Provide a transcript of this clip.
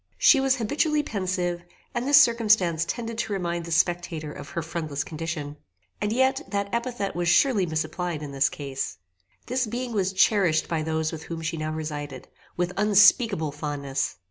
She was habitually pensive, and this circumstance tended to remind the spectator of her friendless condition; and yet that epithet was surely misapplied in this case. This being was cherished by those with whom she now resided, with unspeakable fondness.